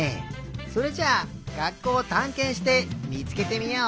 それじゃあがっこうをたんけんしてみつけてみよう！